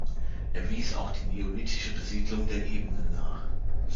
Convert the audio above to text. Er wies auch die neolithische Besiedlung der Ebene nach.